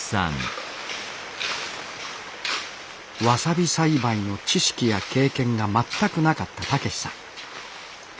わさび栽培の知識や経験が全くなかった健志さん。